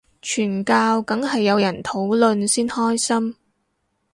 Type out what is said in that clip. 傳教梗係有人討論先開心